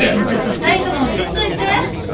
ちょっと２人とも落ち着いて。